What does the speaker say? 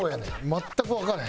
全くわからへん。